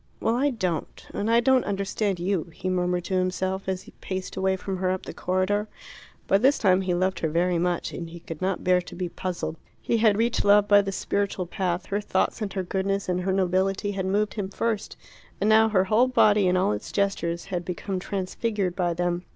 "Well, I don't. And I don't understand you," he murmured to himself, as he paced away from her up the corridor. By this time he loved her very much, and he could not bear to be puzzled. He had reached love by the spiritual path: her thoughts and her goodness and her nobility had moved him first, and now her whole body and all its gestures had become transfigured by them.